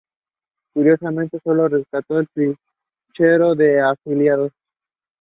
Interchange with these services can be made at Leicester and Saint Pancras.